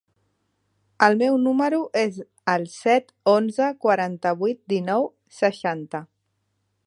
El meu número es el set, onze, quaranta-vuit, dinou, seixanta.